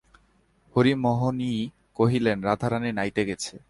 হরিমোহিনী কহিলেন, রাধারানী নাইতে গেছে।